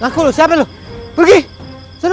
langkul lu siapanya lu